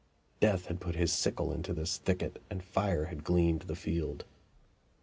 Death had put his sickle into this thicket and fire had gleaned the field.